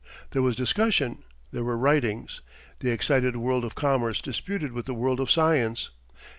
There was discussion, there were writings. The excited world of commerce disputed with the world of science.